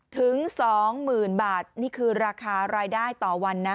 ถึง๒๐๐๐บาทนี่คือราคารายได้ต่อวันนะ